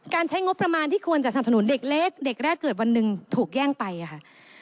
ใช้งบประมาณที่ควรจะสนับสนุนเด็กเล็กเด็กแรกเกิดวันหนึ่งถูกแย่งไปค่ะ